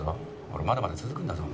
これまだまだ続くんだぞ。